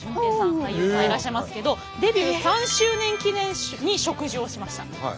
俳優さんいらっしゃいますけどデビュー３周年記念に植樹をしました。